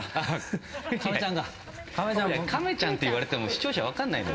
亀ちゃんって言われても視聴者分からないよ。